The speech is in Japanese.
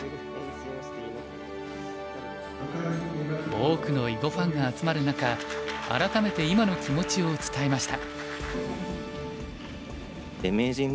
多くの囲碁ファンが集まる中改めて今の気持ちを伝えました。